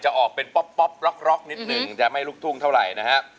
ออกเป็นป๊อปร็อกนิดหนึ่งจะไม่ลุกทุ่งเท่าไหร่นะฮะ